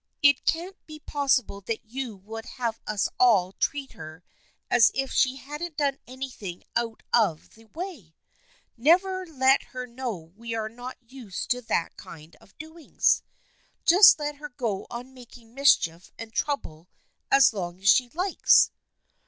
" It can't be possible that you would have us all treat her as if she hadn't done anything out of the way ? Never let her know we are not used to that kind of doings ? Just let her go on making mis chief and trouble as long as she likes?